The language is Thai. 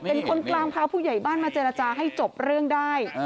เป็นคนกลางพาผู้ใหญ่บ้านมาเจรจาให้จบเรื่องได้